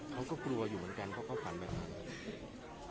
เขาก็กลัวอยู่เหมือนกันเขาก็ฝันแบบนั้น